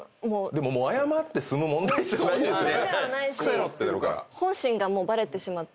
でももう謝って済む問題じゃないですよね。